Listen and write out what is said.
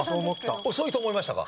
遅いと思われましたか？